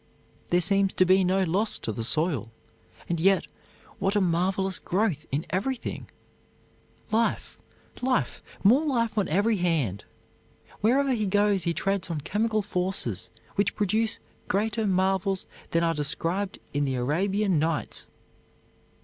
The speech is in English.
There seems to be no loss to the soil, and yet, what a marvelous growth in everything! Life, life, more life on every hand! Wherever he goes he treads on chemical forces which produce greater marvels than are described in the Arabian Nights.